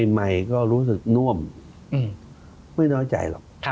ใหม่ก็รู้สึกน่วมไม่น้อยใจหรอก